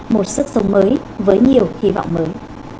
một sức sống mới với nhiều hy vọng mới